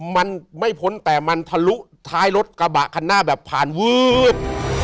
มันไม่พ้นแต่มันทะลุท้ายรถกระบะคันหน้าแบบผ่านวืด